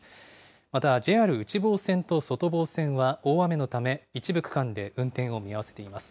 また、ＪＲ内房線と外房線は、大雨のため一部区間で運転を見合わせています。